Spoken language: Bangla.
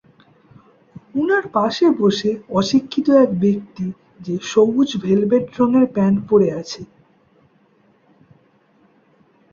উনার পাশে বসে অশিক্ষিত এক ব্যক্তি যে সবুজ ভেলভেট রঙের প্যান্ট পরে আছে।